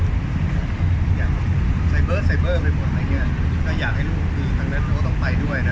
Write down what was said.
อย่างไซเบอร์ไซเบอร์ไปหมดอะไรอย่างเงี้ยก็อยากให้ลูกคือทางนั้นเขาก็ต้องไปด้วยนะ